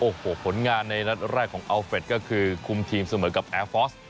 โอ้โหผลงานในนัดแรกของอัลเฟสก็คือคุมทีมเสมอกับแอร์ฟอส